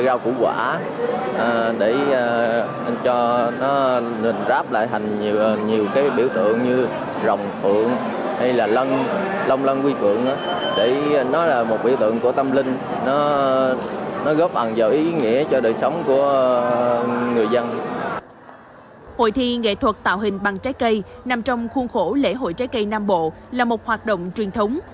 gia qu portions hay nghệ thuật tạo hình bằng trái cây nằm trong khuôn khổ lễ hội trái cây nam bộ